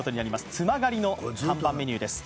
ツマガリの看板メニューです。